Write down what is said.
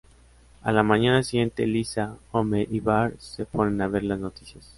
A la mañana siguiente, Lisa, Homer, y Bart se ponen a ver las noticias.